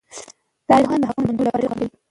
تاریخ پوهان د حقایقو د موندلو لپاره ډېرې خوارۍ کوي.